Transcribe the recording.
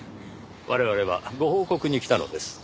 我々はご報告に来たのです。